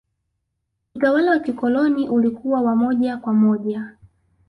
utawala wa kikoloni ulikuwa wa moja kwa moja